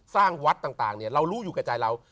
สร้างวัดต่างเรารู้อยู่แก่ใจเรา